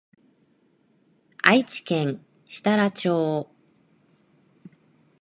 愛知県設楽町